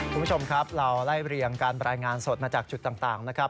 คุณผู้ชมครับเราไล่เรียงการรายงานสดมาจากจุดต่างนะครับ